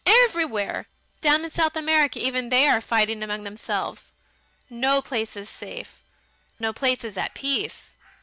Everywhere! Down in South America even they are fighting among themselves! No place is safe no place is at peace.